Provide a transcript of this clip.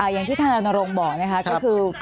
อย่างที่ท่านอนโรงบอกนะครับ